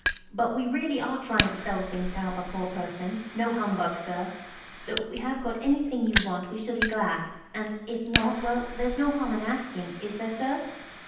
But we really are trying to sell things to help a poor person–no humbug, sir–so if we have got anything you want we shall be glad. And if not–well, there's no harm in asking, is there, sir?"